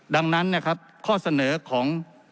ดังนั้นนะครับข้อเสนอของ